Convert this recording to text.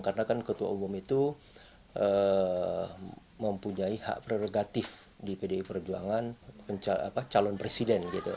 karena kan ketua umum itu mempunyai hak prerogatif di pdi perjuangan calon presiden